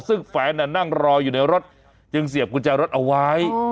ซึ่งแฟนนั่งรออยู่ในรถจึงเสียบกุญแจรถเอาไว้